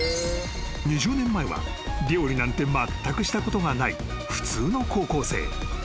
［２０年前は料理なんてまったくしたことがない普通の高校生］